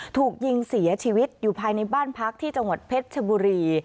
ถูกยิงเสียชีวิตอยู่ภายในบ้านพักที่จังหวัดเพชรชบุรี